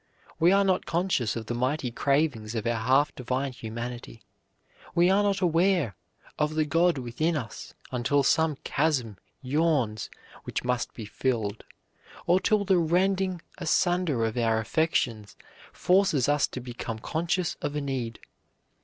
We are not conscious of the mighty cravings of our half divine humanity; we are not aware of the God within us until some chasm yawns which must be filled, or till the rending asunder of our affections forces us to become conscious of a need.